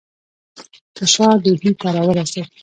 که شاه ډهلي ته را ورسېد.